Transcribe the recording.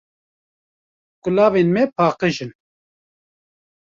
Kulavên me paqij in.